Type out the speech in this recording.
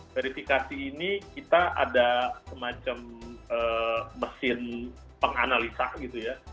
verifikasi ini kita ada semacam mesin penganalisa gitu ya